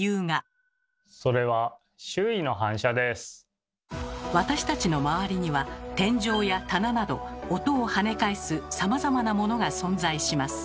それは私たちの周りには天井や棚など音をはね返すさまざまなものが存在します。